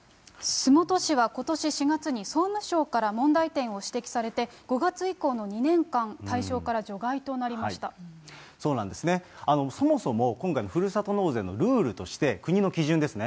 洲本市はことし４月に、総務省から問題点を指摘されて、５月以降の２年間、対象から除外そうなんですね、そもそも今回のふるさと納税のルールとして、国の基準ですね。